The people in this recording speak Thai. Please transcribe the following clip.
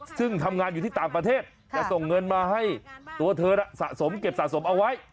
ซึ่งทำงานอยู่ที่ต่างประเทศจะส่งเงินมาให้ตัวเธอน่ะสะสมเก็บสะสมเอาไว้